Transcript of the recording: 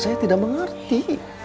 saya tidak mengerti